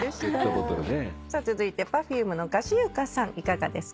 続いてＰｅｒｆｕｍｅのかしゆかさんいかがですか？